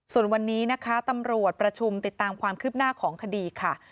ส่วนวันนี้นะคะตำรวจประชุมติดตามความคืบหน้าของคดีค่ะ